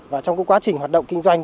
và trong quá trình hoạt động kinh doanh